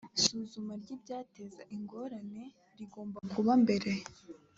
suzuma ry ibyateza ingorane rigomba kuba mbere